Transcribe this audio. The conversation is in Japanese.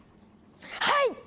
はい！